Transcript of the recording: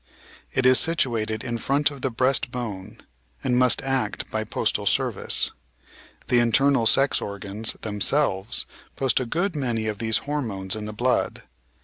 It is situated in front of the breast bone, and must act by "postal service." The internal sex organs them selves post a good many of these "hormones" in the blood.